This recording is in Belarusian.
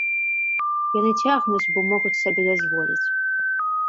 Яны цягнуць, бо могуць сабе дазволіць.